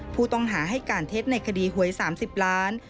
ผู้ต้องหาให้การเท็จในคดีหวย๓๐ล้าน